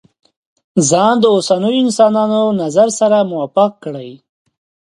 ځان د اوسنيو انسانانو نظر سره موافق کړي.